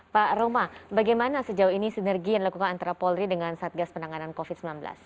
pak roma bagaimana sejauh ini sinergi yang dilakukan antara polri dengan satgas penanganan covid sembilan belas